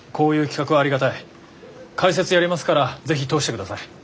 解説やりますから是非通してください。